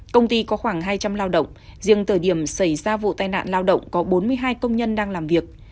công ty có khoảng hai trăm linh lao động riêng thời điểm xảy ra vụ tai nạn lao động có bốn mươi hai công nhân đang làm việc